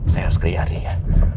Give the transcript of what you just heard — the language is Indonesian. saya harus ke yari ya